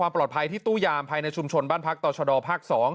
ปลอดภัยที่ตู้ยามภายในชุมชนบ้านพักต่อชะดอภาค๒